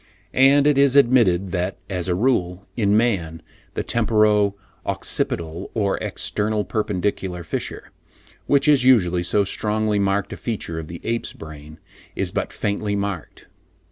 And it is admitted that, as a rule, in man, the temporo occipital or "external perpendicular" fissure, which is usually so strongly marked a feature of the ape's brain is but faintly marked.